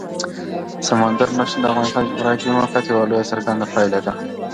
سمندر نه شتون د افغانستان د جغرافیایي موقیعت یوه لویه او څرګنده پایله ده.